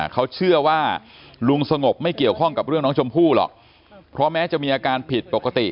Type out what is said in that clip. เขาเชื่อว่าลุงสงบไม่เกี่ยวข้องกับเรื่องน้องชมพู่หรอกเพราะแม้จะมีอาการผิดปกติ